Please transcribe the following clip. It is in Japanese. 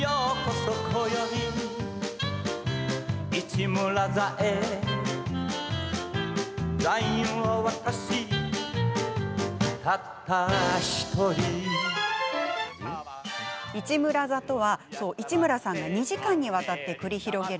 そう、「市村座」とは市村さんが２時間にわたって繰り広げる